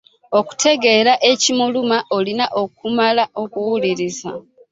Okutegeera ekimuluma olina okumala okumuwuliriza.